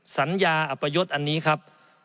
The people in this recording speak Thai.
สัญญาอัปยศอันนี้ครับ